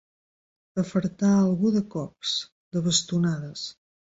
Afartar algú de cops, de bastonades.